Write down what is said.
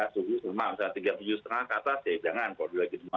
suhu sama misalnya tiga puluh tujuh lima ke atas ya jangan kalau di lagi dua